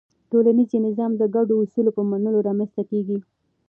ټولنیز نظم د ګډو اصولو په منلو رامنځته کېږي.